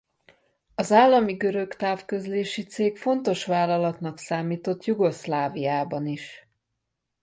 Az állami görög távközlési cég fontos vállalatnak számított Jugoszláviában is.